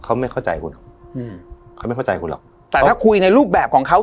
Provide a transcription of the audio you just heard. เขาไม่เข้าใจคุณอืมเขาไม่เข้าใจคุณหรอกแต่ถ้าคุยในรูปแบบของเขา